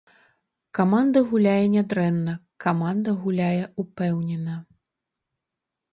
Каманда гуляе нядрэнна, каманда гуляе ўпэўнена.